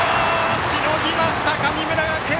しのぎました神村学園！